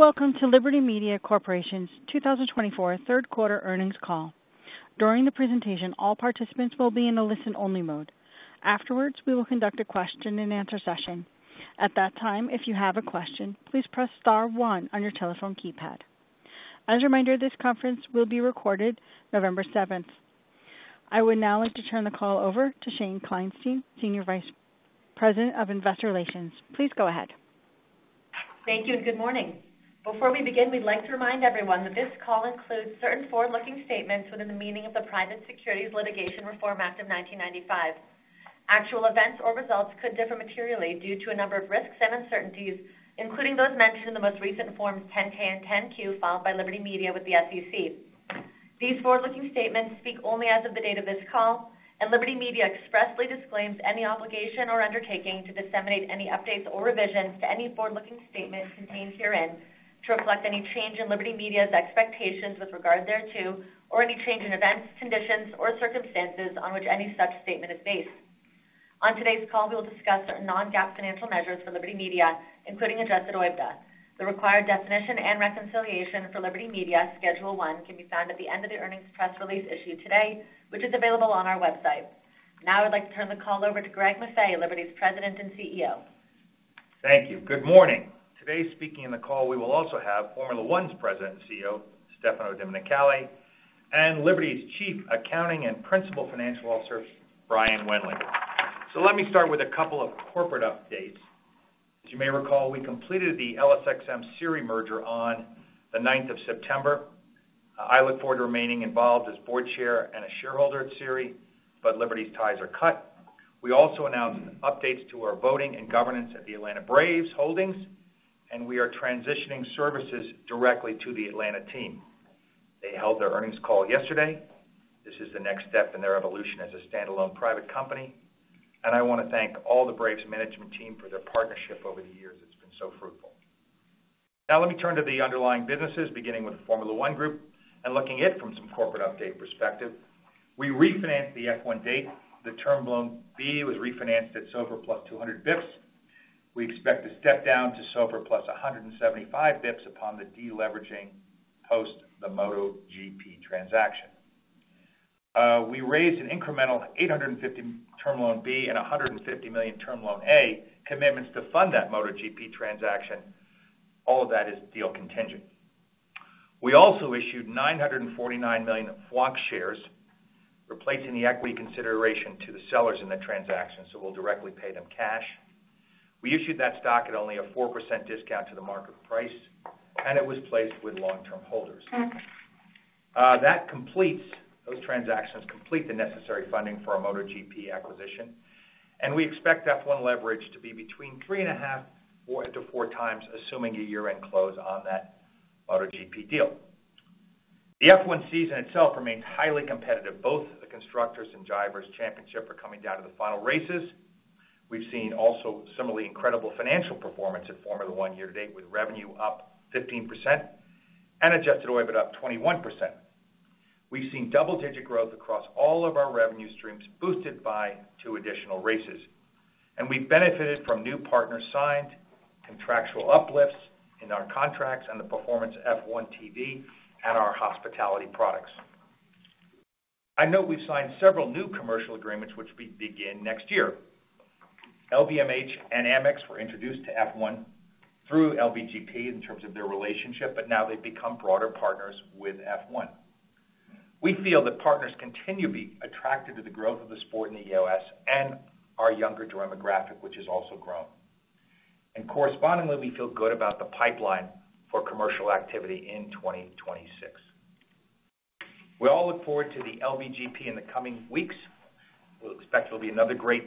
Welcome to Liberty Media Corporation's 2024 third-quarter earnings call. During the presentation, all participants will be in a listen-only mode. Afterwards, we will conduct a question-and-answer session. At that time, if you have a question, please press star one on your telephone keypad. As a reminder, this conference will be recorded, November 7th. I would now like to turn the call over to Shane Kleinstein, Senior Vice President of Investor Relations. Please go ahead. Thank you and good morning. Before we begin, we'd like to remind everyone that this call includes certain forward-looking statements within the meaning of the Private Securities Litigation Reform Act of 1995. Actual events or results could differ materially due to a number of risks and uncertainties, including those mentioned in the most recent Forms 10-K and 10-Q filed by Liberty Media with the SEC. These forward-looking statements speak only as of the date of this call, and Liberty Media expressly disclaims any obligation or undertaking to disseminate any updates or revisions to any forward-looking statement contained herein to reflect any change in Liberty Media's expectations with regard thereto, or any change in events, conditions, or circumstances on which any such statement is based. On today's call, we will discuss certain non-GAAP financial measures for Liberty Media, including Adjusted OIBDA. The required definition and reconciliation for Liberty Media Schedule 1 can be found at the end of the earnings press release issued today, which is available on our website. Now, I'd like to turn the call over to Greg Maffei, Liberty's President and CEO. Thank you. Good morning. Today, speaking in the call, we will also have Formula One's President and CEO, Stefano Domenicali, and Liberty's Chief Accounting and Principal Financial Officer, Brian Wendling. So let me start with a couple of corporate updates. As you may recall, we completed the LSXM-SIRI merger on the 9th of September. I look forward to remaining involved as board chair and a shareholder at SIRI, but Liberty's ties are cut. We also announced updates to our voting and governance at the Atlanta Braves Holdings, and we are transitioning services directly to the Atlanta team. They held their earnings call yesterday. This is the next step in their evolution as a standalone private company, and I want to thank all the Braves management team for their partnership over the years. It's been so fruitful. Now, let me turn to the underlying businesses, beginning with the Formula One Group and looking at it from some corporate update perspective. We refinanced the F1 debt. The term loan B was refinanced at SOFR plus 200 basis points. We expect to step down to SOFR plus 175 basis points upon the deleveraging post the MotoGP transaction. We raised an incremental $850 million term loan B and $150 million term loan A commitments to fund that MotoGP transaction. All of that is deal contingent. We also issued 949 million FWONK shares, replacing the equity consideration to the sellers in the transaction, so we'll directly pay them cash. We issued that stock at only a 4% discount to the market price, and it was placed with long-term holders. That completes those transactions, complete the necessary funding for our MotoGP acquisition. We expect F1 leverage to be between 3.5 and 4 times, assuming a year-end close on that MotoGP deal. The F1 season itself remains highly competitive. Both the Constructors' and Drivers' Championship are coming down to the final races. We've seen also similarly incredible financial performance at Formula One year to date, with revenue up 15% and adjusted OIBDA up 21%. We've seen double-digit growth across all of our revenue streams, boosted by two additional races. We've benefited from new partners signed, contractual uplifts in our contracts, and the performance of F1 TV and our hospitality products. I note we've signed several new commercial agreements, which we begin next year. LVMH and Amex were introduced to F1 through LVGP in terms of their relationship, but now they've become broader partners with F1. We feel that partners continue to be attracted to the growth of the sport in the EMEA and our younger demographic, which has also grown. Correspondingly, we feel good about the pipeline for commercial activity in 2026. We all look forward to the LVGP in the coming weeks. We expect there'll be another great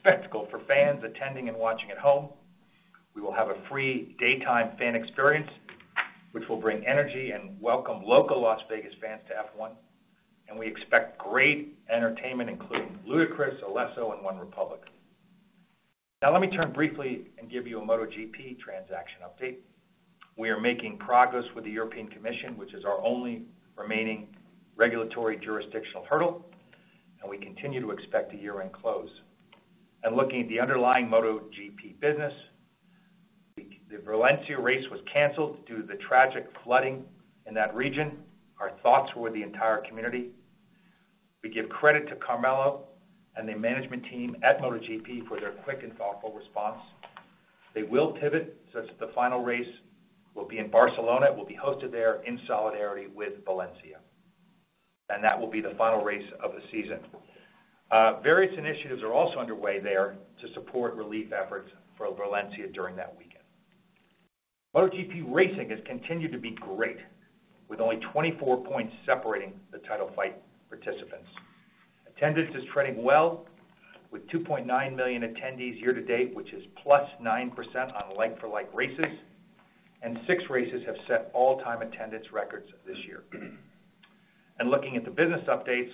spectacle for fans attending and watching at home. We will have a free daytime fan experience, which will bring energy and welcome local Las Vegas fans to F1. We expect great entertainment, including Ludacris, Alesso, and OneRepublic. Now, let me turn briefly and give you a MotoGP transaction update. We are making progress with the European Commission, which is our only remaining regulatory jurisdictional hurdle. We continue to expect a year-end close. Looking at the underlying MotoGP business, the Valencia race was canceled due to the tragic flooding in that region. Our thoughts were with the entire community. We give credit to Carmelo and the management team at MotoGP for their quick and thoughtful response. They will pivot such that the final race will be in Barcelona. It will be hosted there in solidarity with Valencia, and that will be the final race of the season. Various initiatives are also underway there to support relief efforts for Valencia during that weekend. MotoGP racing has continued to be great, with only 24 points separating the title fight participants. Attendance is trending well, with 2.9 million attendees year to date, which is +9% on like-for-like races. And six races have set all-time attendance records this year, and looking at the business updates,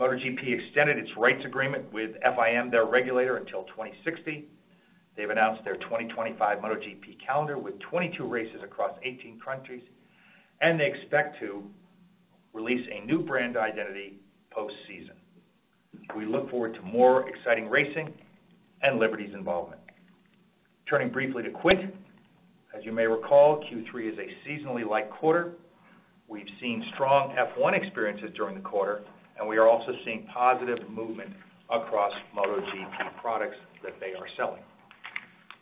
MotoGP extended its rights agreement with FIM, their regulator, until 2060. They've announced their 2025 MotoGP calendar with 22 races across 18 countries. And they expect to release a new brand identity post-season. We look forward to more exciting racing and Liberty's involvement. Turning briefly to Quint, as you may recall, Q3 is a seasonally light quarter. We've seen strong F1 experiences during the quarter, and we are also seeing positive movement across MotoGP products that they are selling.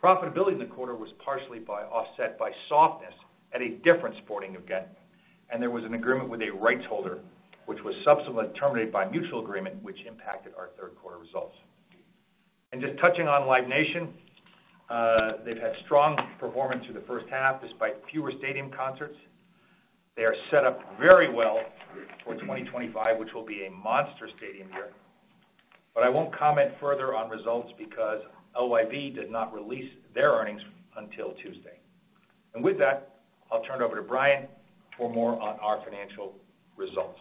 Profitability in the quarter was partially offset by softness at a different sporting event. And there was an agreement with a rights holder, which was subsequently terminated by a mutual agreement, which impacted our third-quarter results. And just touching on Live Nation, they've had strong performance through the first half despite fewer stadium concerts. They are set up very well for 2025, which will be a monster stadium year. But I won't comment further on results because LYV does not release their earnings until Tuesday. With that, I'll turn it over to Brian for more on our financial results.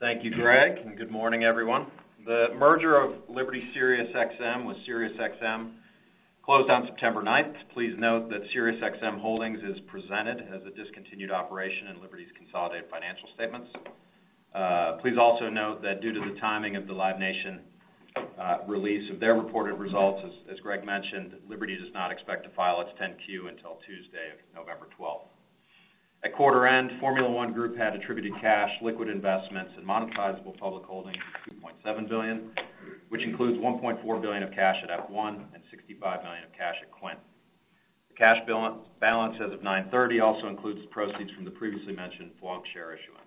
Thank you, Greg. Good morning, everyone. The merger of Liberty SiriusXM with SiriusXM closed on September 9th. Please note that SiriusXM Holdings is presented as a discontinued operation in Liberty's consolidated financial statements. Please also note that due to the timing of the Live Nation release of their reported results, as Greg mentioned, Liberty does not expect to file its 10Q until Tuesday, November 12th. At quarter end, Formula One Group had attributed cash, liquid investments, and monetizable public holdings of $2.7 billion, which includes $1.4 billion of cash at F1 and $65 million of cash at Quint. The cash balance as of 9/30 also includes proceeds from the previously mentioned FWONK share issuance.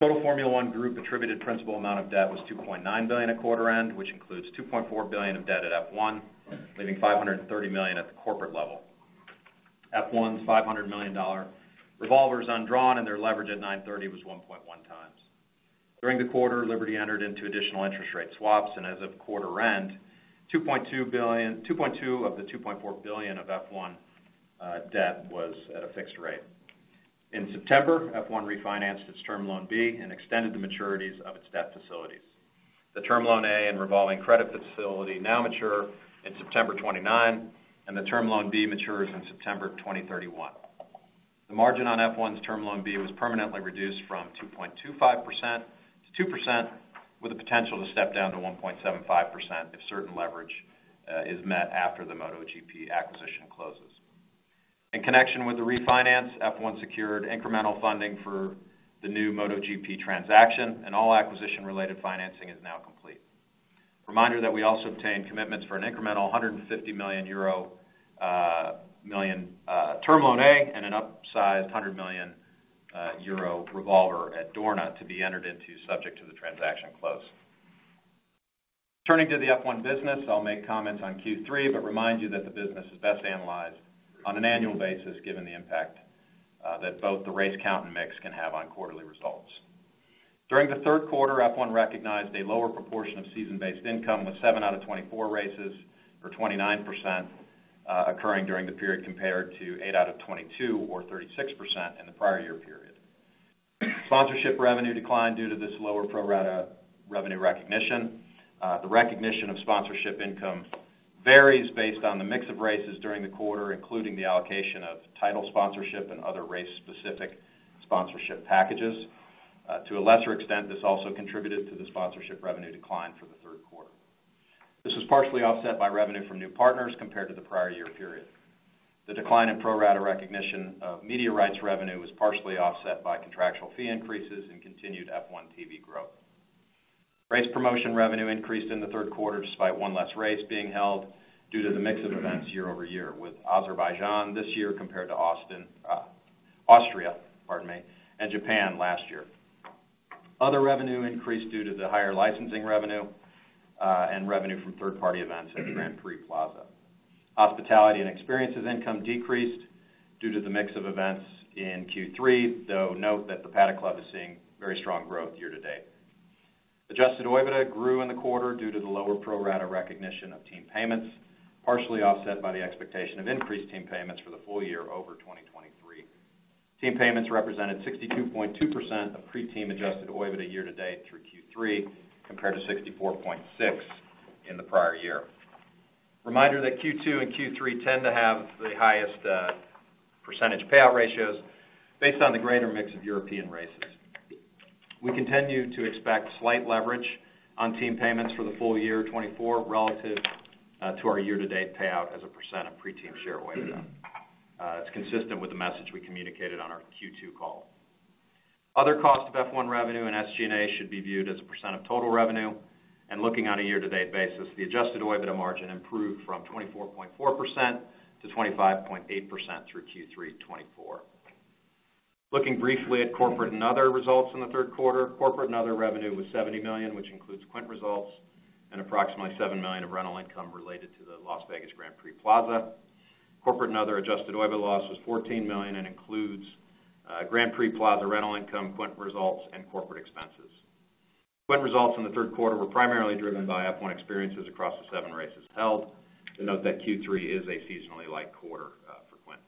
Total Formula One Group attributed principal amount of debt was $2.9 billion at quarter end, which includes $2.4 billion of debt at F1, leaving $530 million at the corporate level. F1's $500 million revolvers undrawn, and their leverage at 9/30 was 1.1 times. During the quarter, Liberty entered into additional interest rate swaps. As of quarter end, $2.2 billion of the $2.4 billion of F1 debt was at a fixed rate. In September, F1 refinanced its term loan B and extended the maturities of its debt facilities. The term loan A and revolving credit facility now mature in September 2029, and the term loan B matures in September 2031. The margin on F1's term loan B was permanently reduced from 2.25% to 2%, with a potential to step down to 1.75% if certain leverage is met after the MotoGP acquisition closes. In connection with the refinance, F1 secured incremental funding for the new MotoGP transaction, and all acquisition-related financing is now complete. Reminder that we also obtained commitments for an incremental 150 million euro Term Loan A and an upsized 100 million euro revolver at Dorna to be entered into subject to the transaction close. Turning to the F1 business, I'll make comments on Q3, but remind you that the business is best analyzed on an annual basis given the impact that both the race count and mix can have on quarterly results. During the third quarter, F1 recognized a lower proportion of season-based income with 7 out of 24 races for 29% occurring during the period compared to 8 out of 22 or 36% in the prior year period. Sponsorship revenue declined due to this lower pro-rata revenue recognition. The recognition of sponsorship income varies based on the mix of races during the quarter, including the allocation of title sponsorship and other race-specific sponsorship packages. To a lesser extent, this also contributed to the sponsorship revenue decline for the third quarter. This was partially offset by revenue from new partners compared to the prior year period. The decline in pro-rata recognition of media rights revenue was partially offset by contractual fee increases and continued F1TV growth. Race promotion revenue increased in the third quarter despite one less race being held due to the mix of events year over year with Azerbaijan this year compared to Austria, pardon me, and Japan last year. Other revenue increased due to the higher licensing revenue and revenue from third-party events at Grand Prix Plaza. Hospitality and experiences income decreased due to the mix of events in Q3, though note that the Paddock Club is seeing very strong growth year to date. Adjusted OIBDA grew in the quarter due to the lower pro-rata recognition of team payments, partially offset by the expectation of increased team payments for the full year over 2023. Team payments represented 62.2% of pre-team adjusted OIBDA year to date through Q3 compared to 64.6% in the prior year. Reminder that Q2 and Q3 tend to have the highest percentage payout ratios based on the greater mix of European races. We continue to expect slight leverage on team payments for the full year 2024 relative to our year-to-date payout as a percent of pre-team share OIBDA. It's consistent with the message we communicated on our Q2 call. Other cost of F1 revenue and SG&A should be viewed as a percent of total revenue. Looking on a year-to-date basis, the adjusted OIBDA margin improved from 24.4% to 25.8% through Q3 2024. Looking briefly at corporate and other results in the third quarter, corporate and other revenue was $70 million, which includes Quint results and approximately $7 million of rental income related to the Las Vegas Grand Prix Plaza. Corporate and other Adjusted OIBDA loss was $14 million and includes Grand Prix Plaza rental income, Quint results, and corporate expenses. Quint results in the third quarter were primarily driven by F1 experiences across the seven races held. And note that Q3 is a seasonally light quarter for Quint.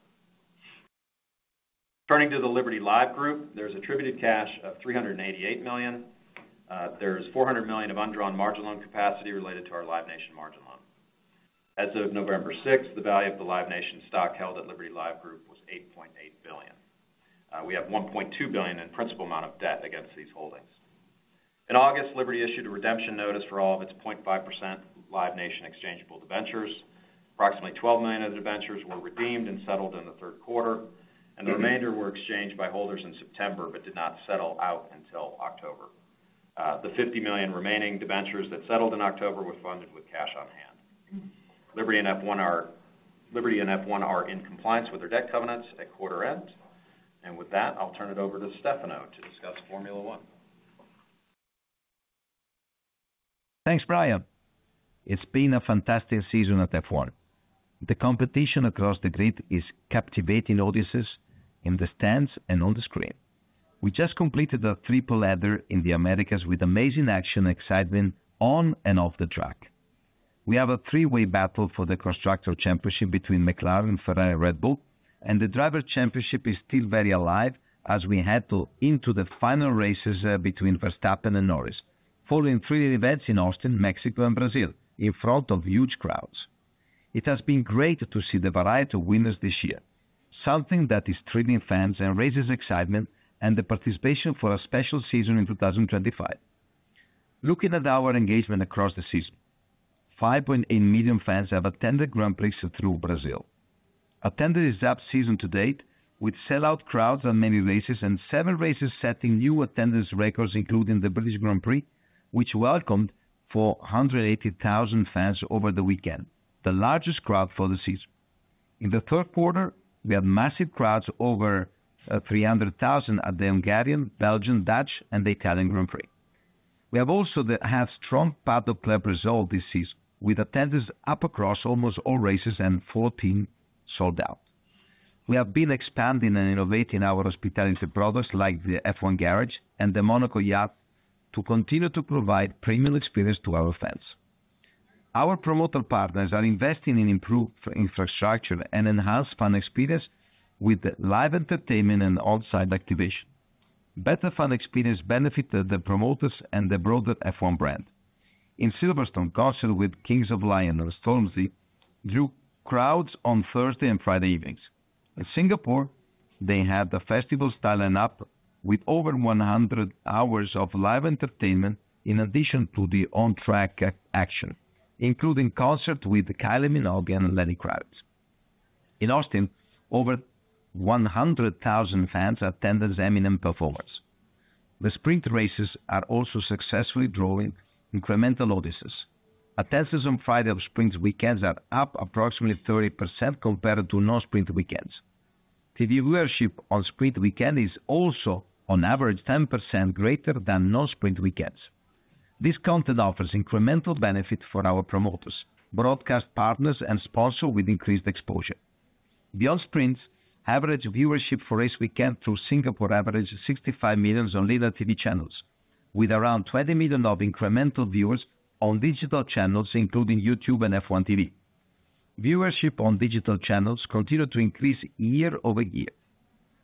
Turning to the Liberty Live Group, there's attributed cash of $388 million. There's $400 million of undrawn margin loan capacity related to our Live Nation margin loan. As of November 6th, the value of the Live Nation stock held at Liberty Live Group was $8.8 billion. We have $1.2 billion in principal amount of debt against these holdings. In August, Liberty issued a redemption notice for all of its 0.5% Live Nation exchangeable debentures. Approximately 12 million of the debentures were redeemed and settled in the third quarter, and the remainder were exchanged by holders in September but did not settle out until October. The 50 million remaining debentures that settled in October were funded with cash on hand. Liberty and F1 are in compliance with their debt covenants at quarter end, and with that, I'll turn it over to Stefano to discuss Formula One. Thanks, Brian. It's been a fantastic season at F1. The competition across the grid is captivating audiences in the stands and on the screen. We just completed a triple header in the Americas with amazing action and excitement on and off the track. We have a three-way battle for the Constructors' Championship between McLaren, Ferrari, and Red Bull, and the driver's championship is still very alive as we head into the final races between Verstappen and Norris, following three events in Austin, Mexico, and Brazil in front of huge crowds. It has been great to see the variety of winners this year, something that is thrilling fans and raises excitement and the participation for a special season in 2025. Looking at our engagement across the season, 5.8 million fans have attended Grand Prix through Brazil. Attendance is up season to date with sellout crowds on many races and seven races setting new attendance records, including the British Grand Prix, which welcomed 480,000 fans over the weekend, the largest crowd for the season. In the third quarter, we had massive crowds over 300,000 at the Hungarian, Belgian, Dutch, and the Italian Grand Prix. We have also had strong Paddock Club results this season, with attendance up across almost all races and 14 sold out. We have been expanding and innovating our hospitality products like the F1 Garage and the Monaco Yacht to continue to provide premium experience to our fans. Our promoter partners are investing in improved infrastructure and enhanced fan experience with live entertainment and on-site activation. Better fan experience benefits the promoters and the broader F1 brand. In Silverstone, concert with Kings of Leon and Stormzy drew crowds on Thursday and Friday evenings. In Singapore, they had a festival style lineup with over 100 hours of live entertainment in addition to the on-track action, including concerts with Kylie Minogue and Lenny Kravitz. In Austin, over 100,000 fans attended Eminem performance. The sprint races are also successfully drawing incremental audiences. Attendance on Friday of sprint weekends is up approximately 30% compared to non-sprint weekends. TV viewership on sprint weekend is also, on average, 10% greater than non-sprint weekends. This content offers incremental benefits for our promoters, broadcast partners, and sponsors with increased exposure. Beyond sprints, average viewership for race weekend through Singapore averaged 65 million on linear TV channels, with around 20 million of incremental viewers on digital channels, including YouTube and F1TV. Viewership on digital channels continued to increase year over year.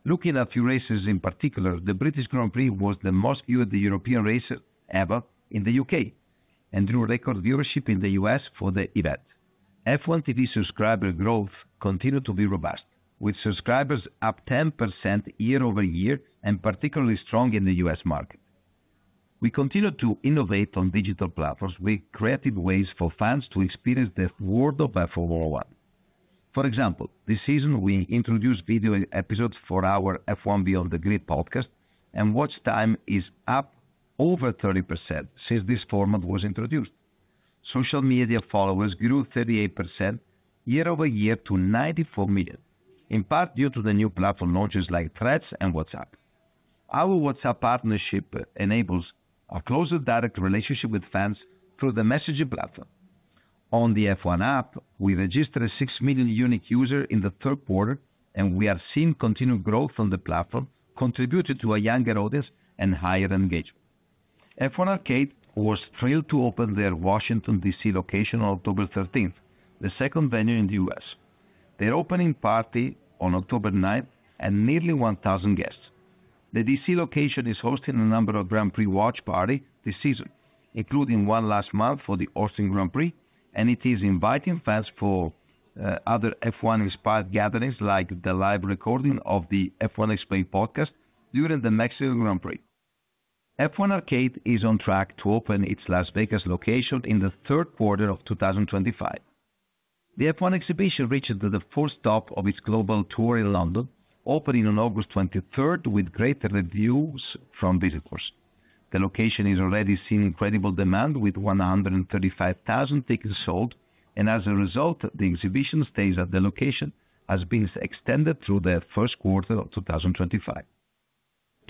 Looking at few races in particular, the British Grand Prix was the most viewed European race ever in the U.K. and drew record viewership in the U.S. for the event. F1 TV subscriber growth continued to be robust, with subscribers up 10% year over year and particularly strong in the U.S. market. We continue to innovate on digital platforms with creative ways for fans to experience the world of F1. For example, this season, we introduced video episodes for our F1 Beyond the Grid podcast, and watch time is up over 30% since this format was introduced. Social media followers grew 38% year over year to 94 million, in part due to the new platform launches like Threads and WhatsApp. Our WhatsApp partnership enables a closer direct relationship with fans through the messaging platform. On the F1 app, we registered six million unique users in the third quarter, and we have seen continued growth on the platform, contributing to a younger audience and higher engagement. F1 Arcade was thrilled to open their Washington, D.C., location on October 13th, the second venue in the U.S. Their opening party on October 9th and nearly 1,000 guests. The D.C. location is hosting a number of Grand Prix watch parties this season, including one last month for the Austin Grand Prix, and it is inviting fans for other F1-inspired gatherings like the live recording of the F1 Explained podcast during the Mexico Grand Prix. F1 Arcade is on track to open its Las Vegas location in the third quarter of 2025. The F1 Exhibition reached the fourth stop of its global tour in London, opening on August 23rd with greater reviews from visitors. The location is already seeing incredible demand with 135,000 tickets sold, and as a result, the exhibition stays at the location as being extended through the first quarter of 2025.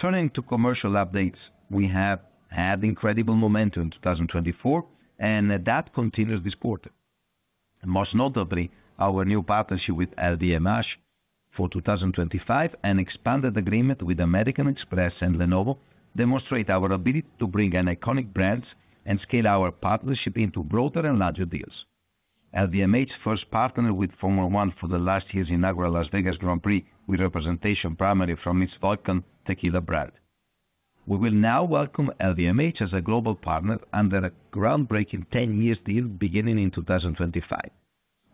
Turning to commercial updates, we have had incredible momentum in 2024, and that continues this quarter. Most notably, our new partnership with LVMH for 2025 and expanded agreement with American Express and Lenovo demonstrate our ability to bring in iconic brands and scale our partnership into broader and larger deals. LVMH first partnered with Formula One for last year's inaugural Las Vegas Grand Prix with representation primarily from its Volcán de mi Tierra tequila brand. We will now welcome LVMH as a global partner under a groundbreaking 10-year deal beginning in 2025,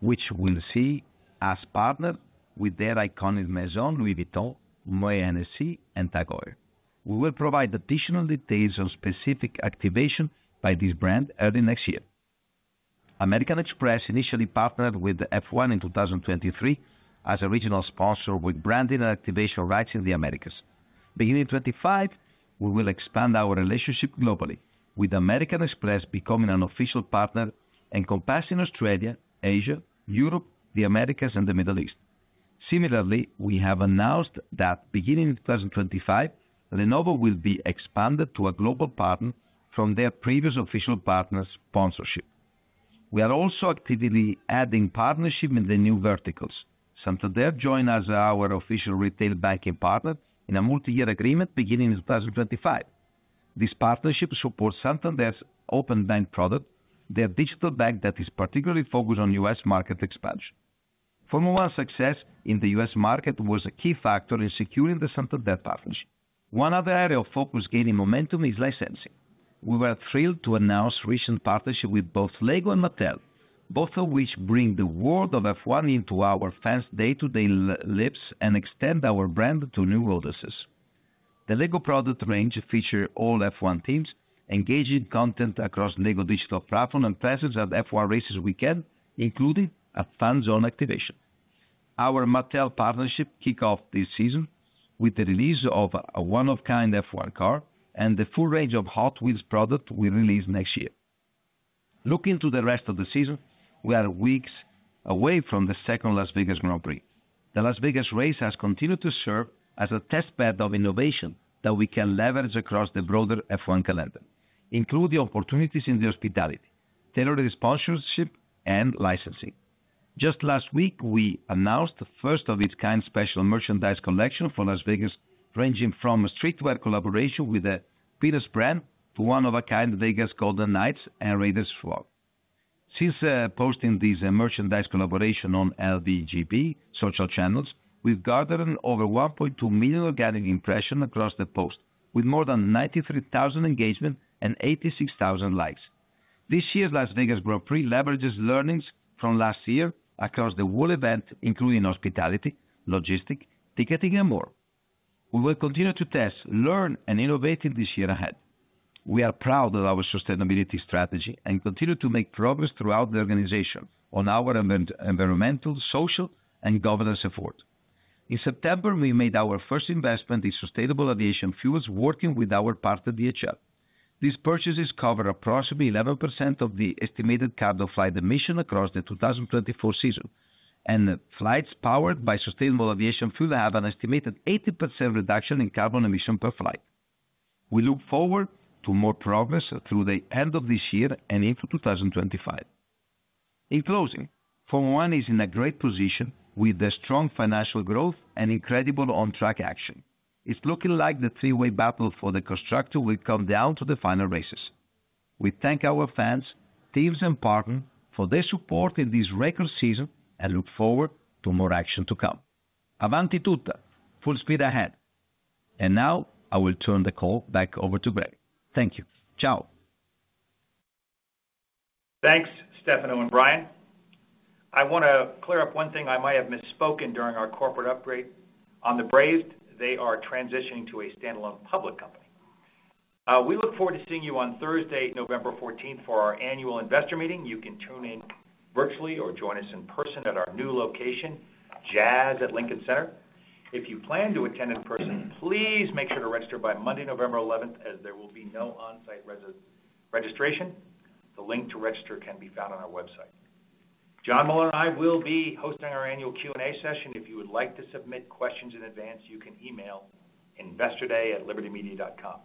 which we'll see as partner with their iconic Maison, Louis Vuitton, Moët Hennessy, and TAG Heuer. We will provide additional details on specific activation by this brand early next year. American Express initially partnered with F1 in 2023 as a regional sponsor with branding and activation rights in the Americas. Beginning in 2025, we will expand our relationship globally, with American Express becoming an official partner encompassing Australia, Asia, Europe, the Americas, and the Middle East. Similarly, we have announced that beginning in 2025, Lenovo will be expanded to a global partner from their previous official partner sponsorship. We are also actively adding partnerships in the new verticals. Santander joined as our official retail banking partner in a multi-year agreement beginning in 2025. This partnership supports Santander's Openbank product, their digital bank that is particularly focused on U.S. market expansion. Formula One's success in the U.S. market was a key factor in securing the Santander partnership. One other area of focus gaining momentum is licensing. We were thrilled to announce recent partnerships with both LEGO and Mattel, both of which bring the world of F1 into our fans' day-to-day lives and extend our brand to new audiences. The LEGO product range features all F1 teams, engaging content across LEGO Digital Platform and presence at F1 Races Weekend, including a fan zone activation. Our Mattel partnership kicked off this season with the release of a one-of-a-kind F1 car and the full range of Hot Wheels products we release next year. Looking to the rest of the season, we are weeks away from the second Las Vegas Grand Prix. The Las Vegas race has continued to serve as a testbed of innovation that we can leverage across the broader F1 calendar, including opportunities in the hospitality, tailored sponsorship, and licensing. Just last week, we announced the first-of-its-kind special merchandise collection for Las Vegas, ranging from a streetwear collaboration with the Peanuts brand to one-of-a-kind Vegas Golden Knights and Raiders swag. Since posting this merchandise collaboration on LVGP social channels, we've garnered over 1.2 million organic impressions across the post, with more than 93,000 engagements and 86,000 likes. This year's Las Vegas Grand Prix leverages learnings from last year across the world event, including hospitality, logistics, ticketing, and more. We will continue to test, learn, and innovate in this year ahead. We are proud of our sustainability strategy and continue to make progress throughout the organization on our environmental, social, and governance efforts. In September, we made our first investment in sustainable aviation fuels, working with our partner, DHL. These purchases cover approximately 11% of the estimated carbon flight emissions across the 2024 season, and flights powered by sustainable aviation fuel have an estimated 80% reduction in carbon emissions per flight. We look forward to more progress through the end of this year and into 2025. In closing, Formula One is in a great position with strong financial growth and incredible on-track action. It's looking like the three-way battle for the Constructors will come down to the final races. We thank our fans, teams, and partners for their support in this record season and look forward to more action to come. Avanti tutta, full speed ahead. And now I will turn the call back over to Gregory. Thank you. Ciao. Thanks, Stefano and Brian. I want to clear up one thing I might have misspoken during our corporate update. On the Braves, they are transitioning to a standalone public company. We look forward to seeing you on Thursday, November 14th, for our annual investor meeting. You can tune in virtually or join us in person at our new location, Jazz at Lincoln Center. If you plan to attend in person, please make sure to register by Monday, November 11th, as there will be no on-site registration. The link to register can be found on our website. John Malone and I will be hosting our annual Q&A session. If you would like to submit questions in advance, you can email investor@libertymedia.com.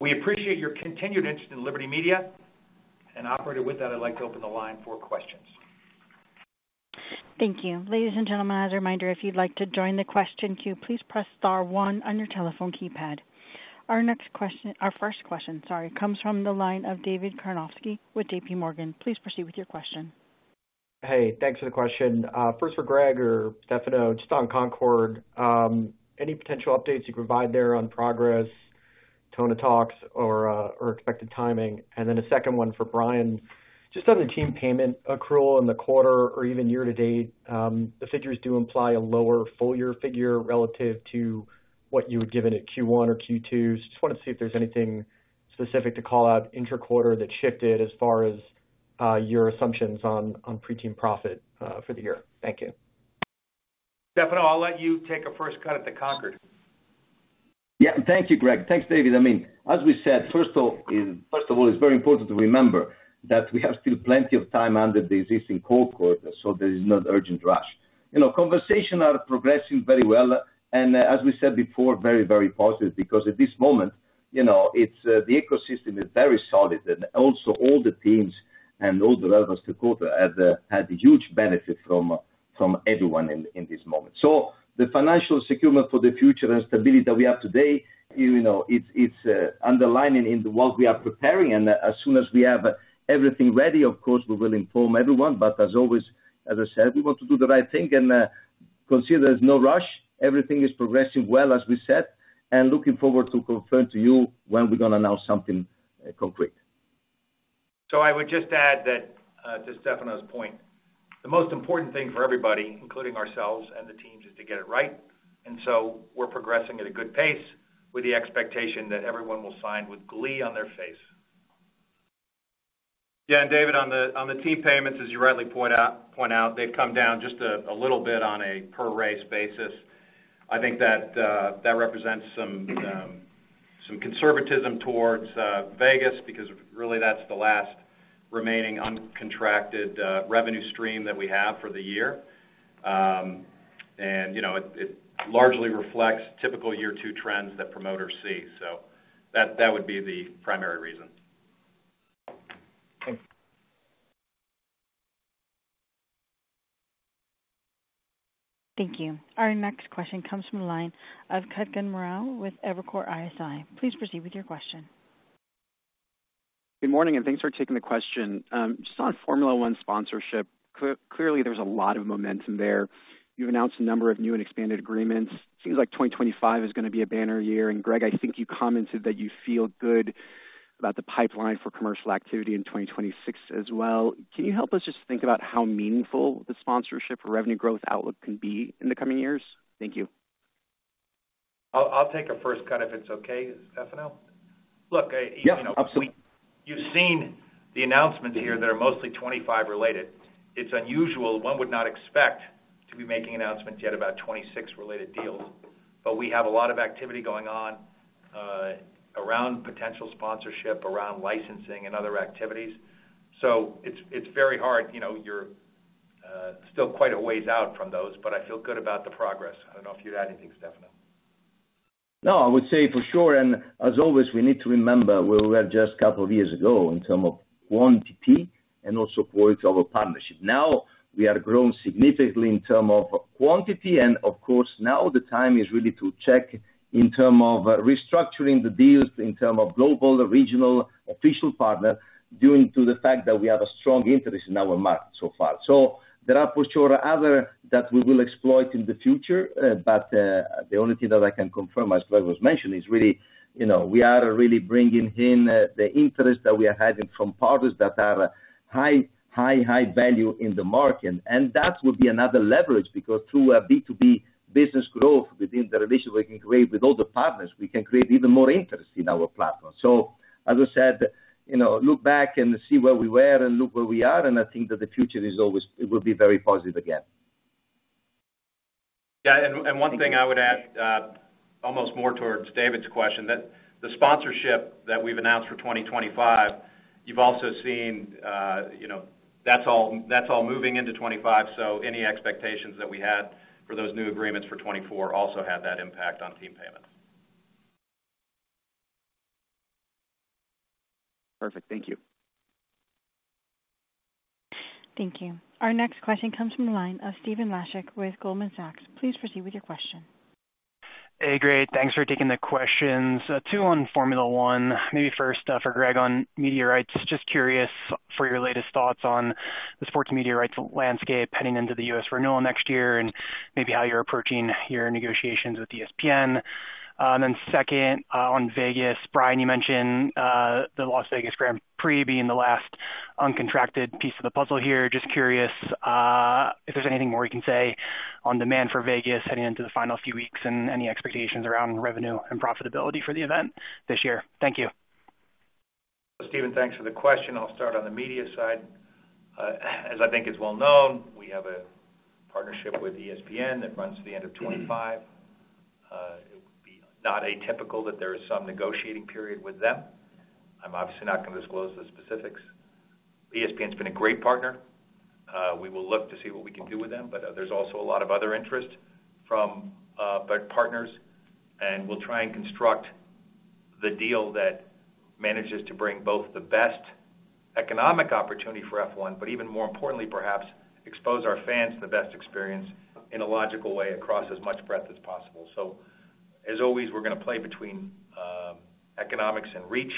We appreciate your continued interest in Liberty Media, and with that, I'd like to open the line for questions. Thank you. Ladies and gentlemen, as a reminder, if you'd like to join the question queue, please press star one on your telephone keypad. Our first question, sorry, comes from the line of David Karnofsky with JPMorgan. Please proceed with your question. Hey, thanks for the question. First for Greg or Stefano, just on Concorde, any potential updates you provide there on progress, tone of talks, or expected timing? And then a second one for Brian, just on the team payment accrual in the quarter or even year to date, the figures do imply a lower full-year figure relative to what you had given at Q1 or Q2. Just wanted to see if there's anything specific to call out intra-quarter that shifted as far as your assumptions on pre-team profit for the year. Thank you. Stefano, I'll let you take a first cut at the Concorde. Yeah, thank you, Greg. Thanks, David. I mean, as we said, first of all, it's very important to remember that we have still plenty of time under the existing Concorde, so there is no urgent rush. Conversations are progressing very well, and as we said before, very, very positive because at this moment, the ecosystem is very solid, and also all the teams and all the relevant stakeholders had a huge benefit from everyone in this moment. So the financial security for the future and stability that we have today, it's underpinning what we are preparing, and as soon as we have everything ready, of course, we will inform everyone, but as always, as I said, we want to do the right thing and consider there's no rush. Everything is progressing well, as we said, and looking forward to confirm to you when we're going to announce something concrete. So I would just add that to Stefano's point, the most important thing for everybody, including ourselves and the teams, is to get it right, and so we're progressing at a good pace with the expectation that everyone will sign with glee on their face. Yeah, and David, on the team payments, as you rightly point out, they've come down just a little bit on a per-race basis. I think that represents some conservatism towards Vegas because really that's the last remaining uncontracted revenue stream that we have for the year, and it largely reflects typical year-two trends that promoters see. So that would be the primary reason. Thank you. Thank you. Our next question comes from the line of Kutgun Maral with Evercore ISI. Please proceed with your question. Good morning, and thanks for taking the question. Just on Formula One sponsorship, clearly there's a lot of momentum there. You've announced a number of new and expanded agreements. It seems like 2025 is going to be a banner year, and Greg, I think you commented that you feel good about the pipeline for commercial activity in 2026 as well. Can you help us just think about how meaningful the sponsorship or revenue growth outlook can be in the coming years? Thank you. I'll take a first cut if it's okay, Stefano. Look, you've seen the announcements here that are mostly 2025 related. It's unusual. One would not expect to be making announcements yet about 2026 related deals, but we have a lot of activity going on around potential sponsorship, around licensing, and other activities. So it's very hard. You're still quite a ways out from those, but I feel good about the progress. I don't know if you had anything, Stefano. No, I would say for sure, and as always, we need to remember where we were just a couple of years ago in terms of quantity and also for its overall partnership. Now we have grown significantly in terms of quantity, and of course, now the time is really to check in terms of restructuring the deals, in terms of global, regional, official partners due to the fact that we have a strong interest in our market so far. So there are for sure others that we will exploit in the future, but the only thing that I can confirm, as Greg was mentioning, is really we are really bringing in the interest that we are having from partners that are high, high, high value in the market, and that will be another leverage because through B2B business growth within the relationship we can create with all the partners, we can create even more interest in our platform. So as I said, look back and see where we were and look where we are, and I think that the future is always will be very positive again. Yeah, and one thing I would add almost more towards David's question, that the sponsorship that we've announced for 2025, you've also seen that's all moving into 2025, so any expectations that we had for those new agreements for 2024 also had that impact on team payments. Perfect. Thank you. Thank you. Our next question comes from the line of Stephen Laszczyk with Goldman Sachs. Please proceed with your question. Hey, Greg. Thanks for taking the questions. Two on Formula One. Maybe first for Greg on media rights. Just curious for your latest thoughts on the sports media rights landscape heading into the US renewal next year and maybe how you're approaching your negotiations with ESPN and then second on Vegas. Brian, you mentioned the Las Vegas Grand Prix being the last uncontracted piece of the puzzle here. Just curious if there's anything more you can say on demand for Vegas heading into the final few weeks and any expectations around revenue and profitability for the event this year. Thank you. Stephen, thanks for the question. I'll start on the media side. As I think is well known, we have a partnership with ESPN that runs to the end of 2025. It would be not atypical that there is some negotiating period with them. I'm obviously not going to disclose the specifics. ESPN has been a great partner. We will look to see what we can do with them, but there's also a lot of other interest from partners, and we'll try and construct the deal that manages to bring both the best economic opportunity for F1, but even more importantly, perhaps expose our fans to the best experience in a logical way across as much breadth as possible, so as always, we're going to play between economics and reach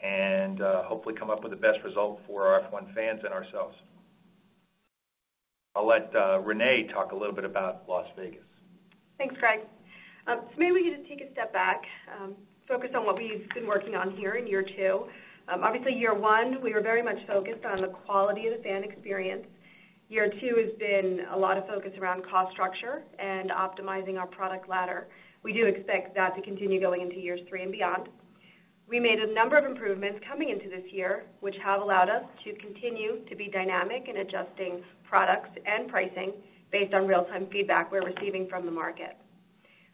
and hopefully come up with the best result for our F1 fans and ourselves. I'll let Renee talk a little bit about Las Vegas. Thanks, Greg. So maybe we could just take a step back, focus on what we've been working on here in year two. Obviously, year one, we were very much focused on the quality of the fan experience. Year two has been a lot of focus around cost structure and optimizing our product ladder. We do expect that to continue going into years three and beyond. We made a number of improvements coming into this year, which have allowed us to continue to be dynamic in adjusting products and pricing based on real-time feedback we're receiving from the market.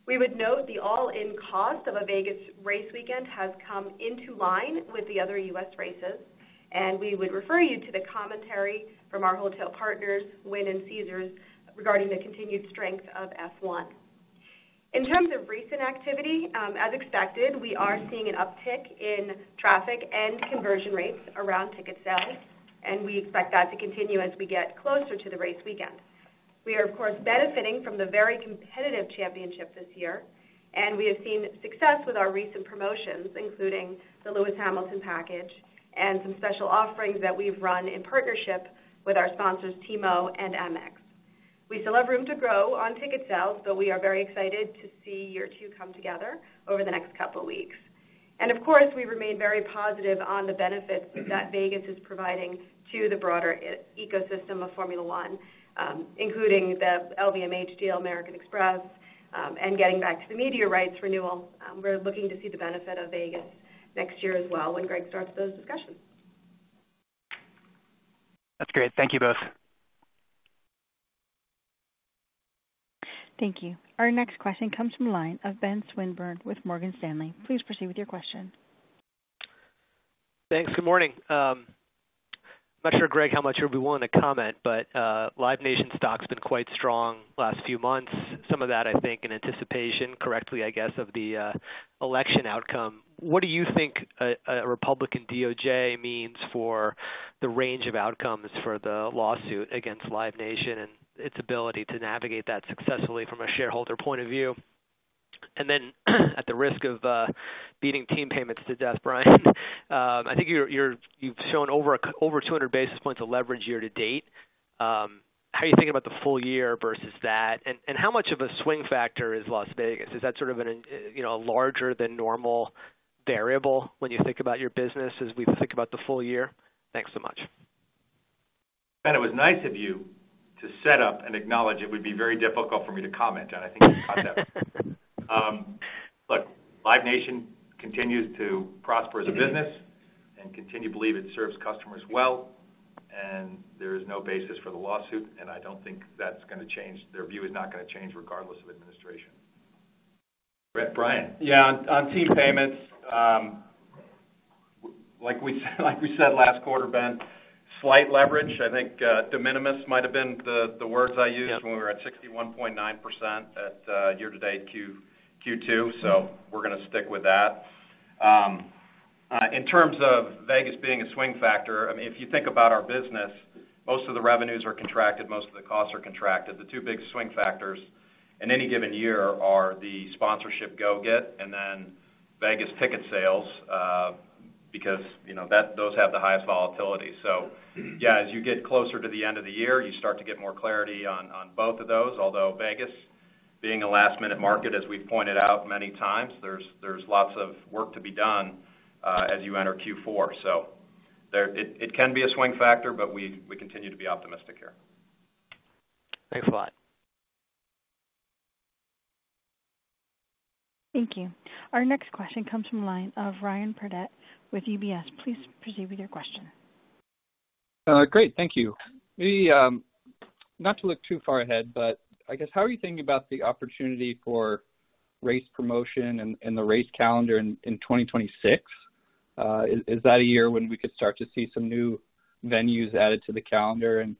We would note the all-in cost of a Vegas race weekend has come into line with the other US races, and we would refer you to the commentary from our hotel partners, Wynn and Caesars, regarding the continued strength of F1. In terms of recent activity, as expected, we are seeing an uptick in traffic and conversion rates around ticket sales, and we expect that to continue as we get closer to the race weekend. We are, of course, benefiting from the very competitive championship this year, and we have seen success with our recent promotions, including the Lewis Hamilton package and some special offerings that we've run in partnership with our sponsors, T-Mobile and MGM. We still have room to grow on ticket sales, but we are very excited to see year two come together over the next couple of weeks, and of course, we remain very positive on the benefits that Vegas is providing to the broader ecosystem of Formula One, including the LVMH deal, American Express, and getting back to the media rights renewal. We're looking to see the benefit of Vegas next year as well when Greg starts those discussions. That's great. Thank you both. Thank you. Our next question comes from the line of Ben Swinburne with Morgan Stanley. Please proceed with your question. Thanks. Good morning. I'm not sure, Greg, how much you'll be willing to comment, but Live Nation stock's been quite strong the last few months, some of that, I think, in anticipation, correctly, I guess, of the election outcome. What do you think a Republican DOJ means for the range of outcomes for the lawsuit against Live Nation and its ability to navigate that successfully from a shareholder point of view? And then, at the risk of beating team payments to death, Brian, I think you've shown over 200 basis points of leverage year to date. How are you thinking about the full year versus that? And how much of a swing factor is Las Vegas? Is that sort of a larger-than-normal variable when you think about your business as we think about the full year? Thanks so much. Ben, it was nice of you to set up and acknowledge it would be very difficult for me to comment on. I think you caught that. Look, Live Nation continues to prosper as a business and continue to believe it serves customers well, and there is no basis for the lawsuit, and I don't think that's going to change. Their view is not going to change regardless of administration. Brian? Yeah. On team payments, like we said last quarter, Ben, slight leverage. I think de minimis might have been the words I used when we were at 61.9% at year-to-date Q2, so we're going to stick with that. In terms of Vegas being a swing factor, I mean, if you think about our business, most of the revenues are contracted, most of the costs are contracted. The two big swing factors in any given year are the sponsorship go get and then Vegas ticket sales because those have the highest volatility. So yeah, as you get closer to the end of the year, you start to get more clarity on both of those, although Vegas, being a last-minute market, as we've pointed out many times, there's lots of work to be done as you enter Q4. So it can be a swing factor, but we continue to be optimistic here. Thanks a lot. Thank you. Our next question comes from the line of Ryan Pourdavoud with UBS. Please proceed with your question. Great. Thank you. Not to look too far ahead, but I guess how are you thinking about the opportunity for race promotion and the race calendar in 2026? Is that a year when we could start to see some new venues added to the calendar? And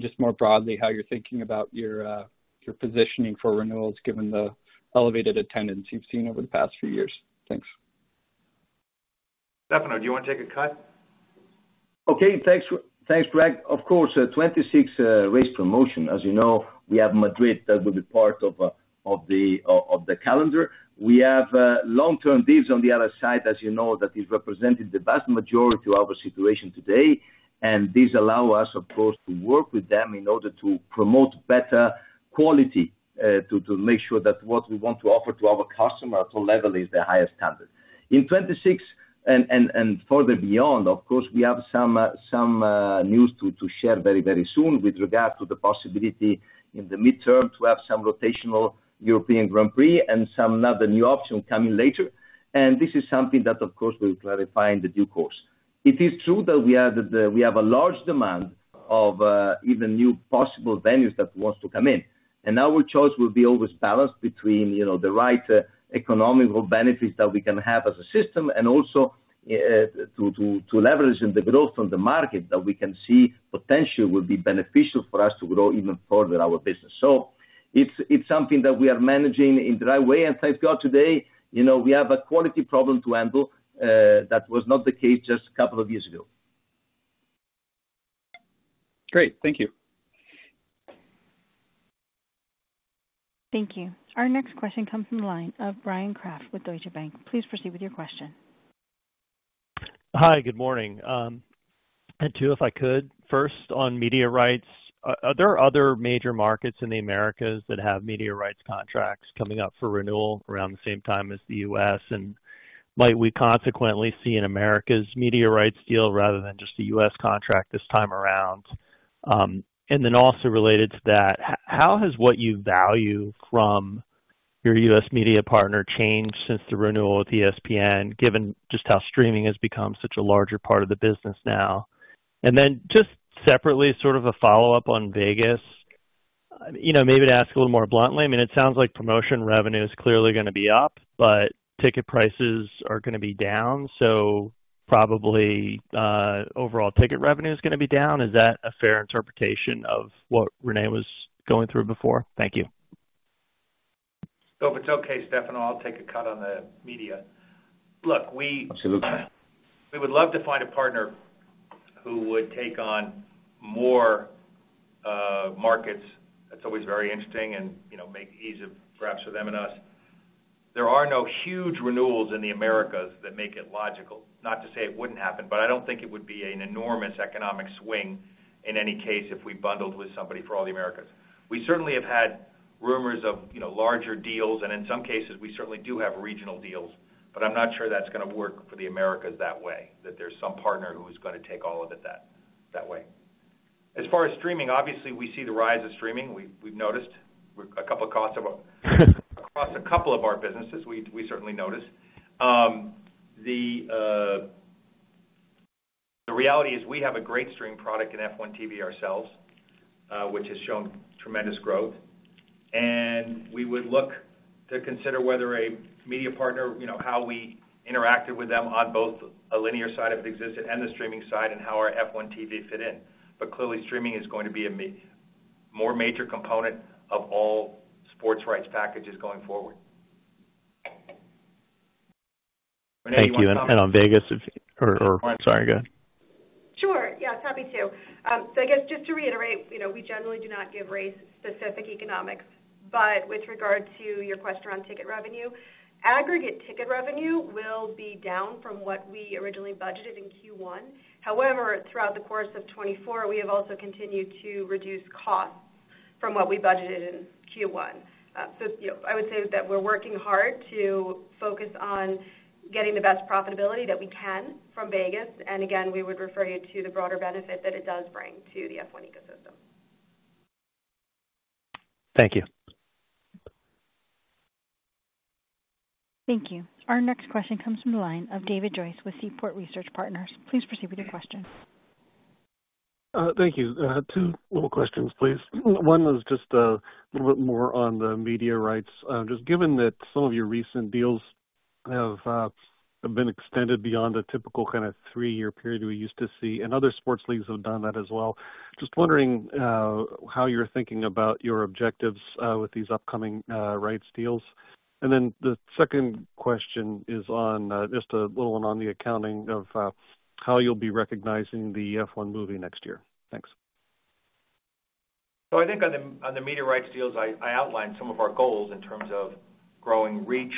just more broadly, how are you thinking about your positioning for renewals given the elevated attendance you've seen over the past few years? Thanks. Stefano, do you want to take a cut? Okay. Thanks, Greg. Of course, 2026 race promotion. As you know, we have Madrid that will be part of the calendar. We have long-term deals on the other side, as you know, that is representing the vast majority of our situation today, and these allow us, of course, to work with them in order to promote better quality to make sure that what we want to offer to our customer at all levels is the highest standard. In 2026 and further beyond, of course, we have some news to share very, very soon with regard to the possibility in the midterm to have some rotational European Grand Prix and some other new option coming later. And this is something that, of course, we'll clarify in due course. It is true that we have a large demand of even new possible venues that want to come in, and our choice will be always balanced between the right economical benefits that we can have as a system and also to leverage in the growth on the market that we can see potentially will be beneficial for us to grow even further our business. So it's something that we are managing in the right way, and thank God today we have a quality problem to handle that was not the case just a couple of years ago. Great. Thank you. Thank you. Our next question comes from the line of Bryan Kraft with Deutsche Bank. Please proceed with your question. Hi. Good morning. I'd like to, if I could, first on media rights. Are there other major markets in the Americas that have media rights contracts coming up for renewal around the same time as the U.S.? And might we consequently see an America's media rights deal rather than just a U.S. contract this time around? And then also related to that, how has what you value from your U.S. media partner changed since the renewal with ESPN, given just how streaming has become such a larger part of the business now? And then just separately, sort of a follow-up on Vegas, maybe to ask a little more bluntly, I mean, it sounds like promotion revenue is clearly going to be up, but ticket prices are going to be down, so probably overall ticket revenue is going to be down. Is that a fair interpretation of what Renee was going through before? Thank you. If it's okay, Stefano, I'll take that one on the media. Look, we. Absolutely. We would love to find a partner who would take on more markets. That's always very interesting and make it easier perhaps for them and us. There are no huge renewals in the Americas that make it logical. Not to say it wouldn't happen, but I don't think it would be an enormous economic swing in any case if we bundled with somebody for all the Americas. We certainly have had rumors of larger deals, and in some cases, we certainly do have regional deals, but I'm not sure that's going to work for the Americas that way, that there's some partner who's going to take all of it that way. As far as streaming, obviously, we see the rise of streaming. We've noticed a couple of costs across a couple of our businesses. We certainly notice. The reality is we have a great streaming product in F1 TV ourselves, which has shown tremendous growth, and we would look to consider whether a media partner, how we interacted with them on both a linear side of the existing and the streaming side and how our F1 TV fit in. But clearly, streaming is going to be a more major component of all sports rights packages going forward. Renee, you want to? Thank you. And on Vegas? Or, I'm sorry, go ahead. Sure. Yes, happy to. So I guess just to reiterate, we generally do not give race-specific economics, but with regard to your question around ticket revenue, aggregate ticket revenue will be down from what we originally budgeted in Q1. However, throughout the course of 2024, we have also continued to reduce costs from what we budgeted in Q1. So I would say that we're working hard to focus on getting the best profitability that we can from Vegas. And again, we would refer you to the broader benefit that it does bring to the F1 ecosystem. Thank you. Thank you. Our next question comes from the line of David Joyce with Seaport Research Partners. Please proceed with your question. Thank you. Two more questions, please. One is just a little bit more on the media rights. Just given that some of your recent deals have been extended beyond a typical kind of three-year period we used to see, and other sports leagues have done that as well, just wondering how you're thinking about your objectives with these upcoming rights deals. And then the second question is just a little on the accounting of how you'll be recognizing the F1 movie next year. Thanks. So I think on the media rights deals, I outlined some of our goals in terms of growing reach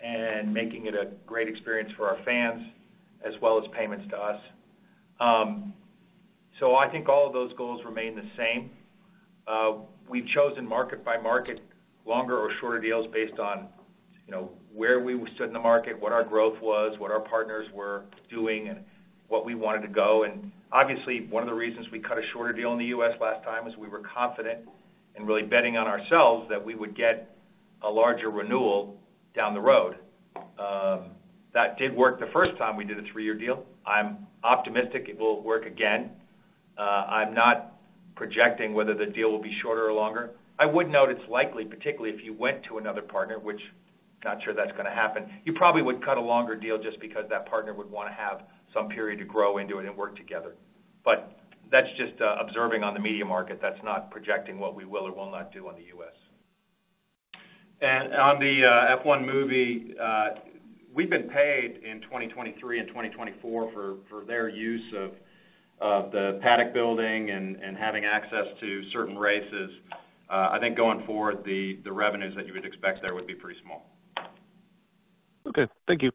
and making it a great experience for our fans as well as payments to us. So I think all of those goals remain the same. We've chosen market-by-market longer or shorter deals based on where we stood in the market, what our growth was, what our partners were doing, and what we wanted to go. And obviously, one of the reasons we cut a shorter deal in the US last time is we were confident and really betting on ourselves that we would get a larger renewal down the road. That did work the first time we did a three-year deal. I'm optimistic it will work again. I'm not projecting whether the deal will be shorter or longer. I would note it's likely, particularly if you went to another partner, which I'm not sure that's going to happen, you probably would cut a longer deal just because that partner would want to have some period to grow into it and work together. But that's just observing on the media market. That's not projecting what we will or will not do on the U.S. On the F1 movie, we've been paid in 2023 and 2024 for their use of the paddock building and having access to certain races. I think going forward, the revenues that you would expect there would be pretty small. Okay. Thank you.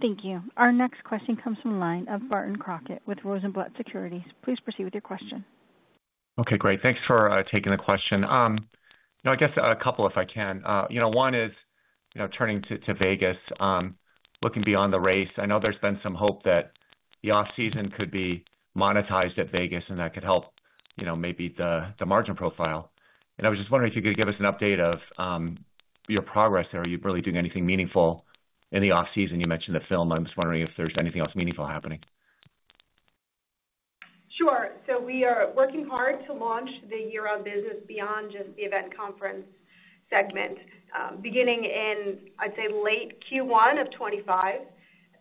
Thank you. Our next question comes from the line of Barton Crockett with Rosenblatt Securities. Please proceed with your question. Okay. Great. Thanks for taking the question. I guess a couple, if I can. One is turning to Vegas, looking beyond the race. I know there's been some hope that the off-season could be monetized at Vegas, and that could help maybe the margin profile, and I was just wondering if you could give us an update of your progress there. Are you really doing anything meaningful in the off-season? You mentioned the film. I was wondering if there's anything else meaningful happening. Sure. So we are working hard to launch the year-round business beyond just the event conference segment. Beginning in, I'd say, late Q1 of 2025,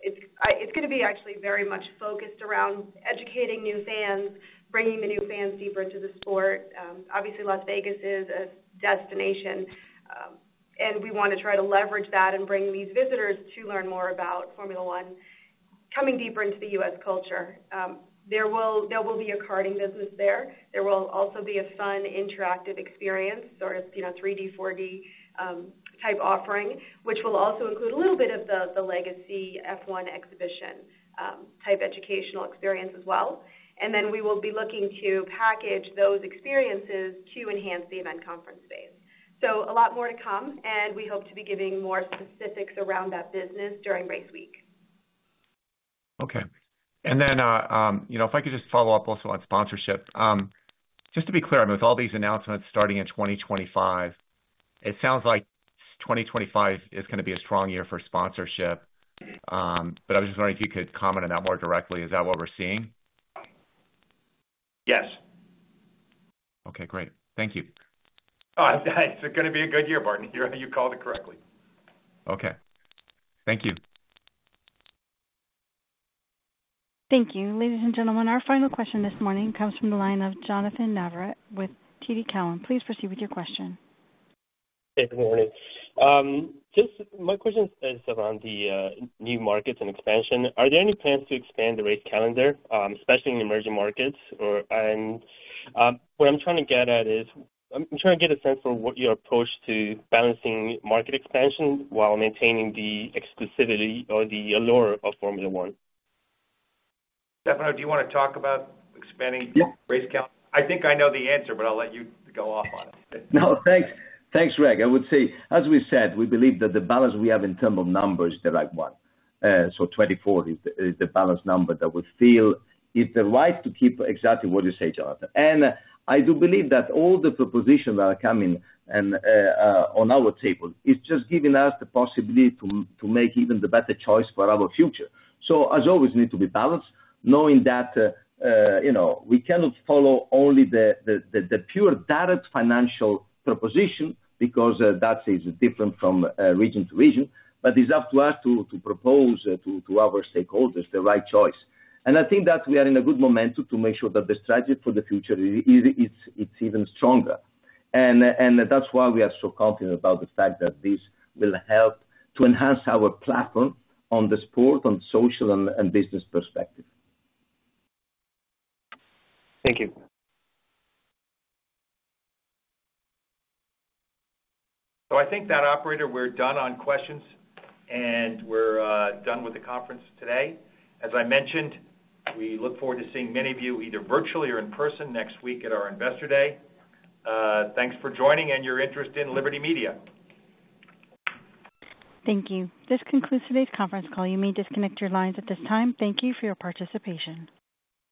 it's going to be actually very much focused around educating new fans, bringing the new fans deeper into the sport. Obviously, Las Vegas is a destination, and we want to try to leverage that and bring these visitors to learn more about Formula One, coming deeper into the U.S. culture. There will be a catering business there. There will also be a fun interactive experience, sort of 3D, 4D type offering, which will also include a little bit of the legacy F1 exhibition type educational experience as well. And then we will be looking to package those experiences to enhance the event conference space. So a lot more to come, and we hope to be giving more specifics around that business during race week. Okay. And then if I could just follow up also on sponsorship. Just to be clear, with all these announcements starting in 2025, it sounds like 2025 is going to be a strong year for sponsorship, but I was just wondering if you could comment on that more directly. Is that what we're seeing? Yes. Okay. Great. Thank you. It's going to be a good year, Barton. You called it correctly. Okay. Thank you. Thank you. Ladies and gentlemen, our final question this morning comes from the line of Jonathan Navarrete with TD Cowen. Please proceed with your question. Hey, good morning. My question is around the new markets and expansion. Are there any plans to expand the race calendar, especially in emerging markets? And what I'm trying to get at is I'm trying to get a sense for what your approach to balancing market expansion while maintaining the exclusivity or the allure of Formula One. Stefano, do you want to talk about expanding race calendar? I think I know the answer, but I'll let you go off on it. No, thanks. Thanks, Greg. I would say, as we said, we believe that the balance we have in terms of numbers is the right one. So 24 is the balance number that we feel is the right to keep exactly what you say, Jonathan. And I do believe that all the propositions that are coming on our table is just giving us the possibility to make even the better choice for our future. So as always, it needs to be balanced, knowing that we cannot follow only the pure direct financial proposition because that is different from region to region, but it's up to us to propose to our stakeholders the right choice. And I think that we are in a good momentum to make sure that the strategy for the future is even stronger. That's why we are so confident about the fact that this will help to enhance our platform on the sport, on social and business perspective. Thank you. So I think that, Operator, we're done on questions, and we're done with the conference today. As I mentioned, we look forward to seeing many of you either virtually or in person next week at our Investor Day. Thanks for joining and your interest in Liberty Media. Thank you. This concludes today's conference call. You may disconnect your lines at this time. Thank you for your participation.